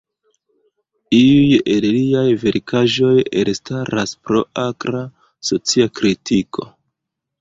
Iuj el liaj verkaĵoj elstaras pro akra socia kritiko.